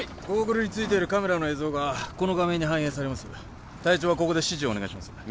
ゴーグルについてるカメラの映像がこの画面に反映されます隊長はここで指示をお願いします